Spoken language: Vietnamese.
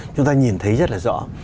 chúng ta nhìn thấy rất là rõ